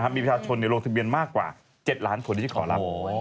มีประชาชนลงทะเบียนมากกว่า๗ล้านคนที่จะขอรับ